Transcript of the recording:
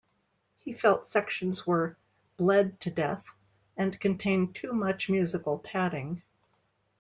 He felt sections were "bled to death" and contained too much musical padding.